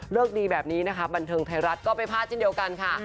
เลิกดีแบบนี้บันเทิงไทรรัฐก็ไปพาดจริงเดียวกันค่ะ